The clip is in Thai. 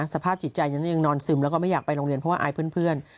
สภาพจิตใจฉันยังนอนซึมแล้วก็ไม่อยากไปโรงเรียนเพราะว่าอายเพื่อน